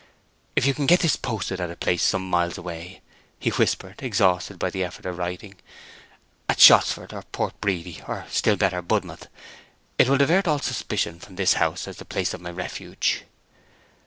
"If you can get this posted at a place some miles away," he whispered, exhausted by the effort of writing—"at Shottsford or Port Bredy, or still better, Budmouth—it will divert all suspicion from this house as the place of my refuge."